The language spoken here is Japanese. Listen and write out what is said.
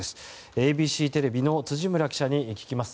ＡＢＣテレビの辻村記者に聞きます。